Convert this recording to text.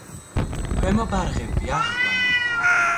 ქვემო ბარღები, ახლანდ.